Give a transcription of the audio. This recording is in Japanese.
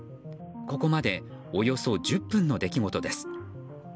ここまでおよそ１０分の出来事です。